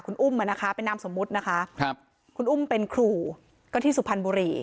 คุณอุ้มอ่ะนะคะเป็นนามสมมุตินะคะครับคุณอุ้มเป็นครูก็ที่สุพรรณบุรี